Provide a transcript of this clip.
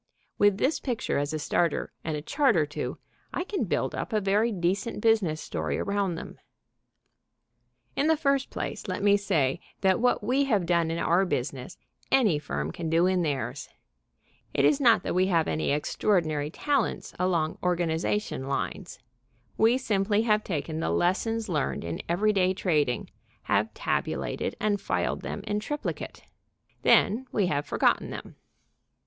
With this picture as a starter, and a chart or two, I can build up a very decent business story around them. [Illustration: "A square jawed American business man, etc., shaking his finger at another."] In the first place let me say that what we have done in our business any firm can do in theirs. It is not that we have any extraordinary talents along organization lines. We simply have taken the lessons learned in everyday trading, have tabulated and filed them in triplicate. Then we have forgotten them.